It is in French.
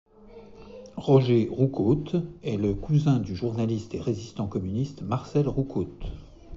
Roger Roucaute est le cousin du journaliste et résistant communiste Marcel Roucaute.